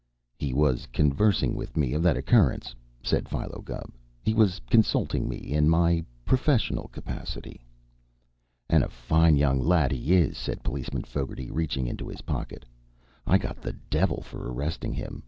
"He was conversing with me of that occurrence," said Philo Gubb. "He was consulting me in my professional capacity." "An' a fine young lad he is!" said Policeman Fogarty, reaching into his pocket. "I got th' divvil for arristin' him.